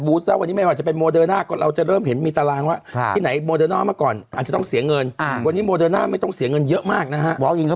ฟ้าฟ้าฟ้าฟ้าฟ้าฟ้าฟ้าฟ้าฟ้าฟ้าฟ้าฟ้าฟ้าฟ้าฟ้าฟ้า